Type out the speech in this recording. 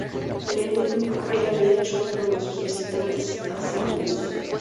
Lenin era de hecho uno de sus visitantes asiduos.